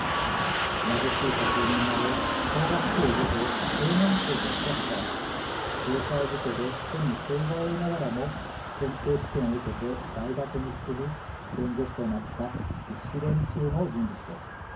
貧しい家庭に生まれ小学校を出て少年工として働き労災事故で手に障害を負いながらも検定試験を受けて大学に進み弁護士となった立志伝中の人物です。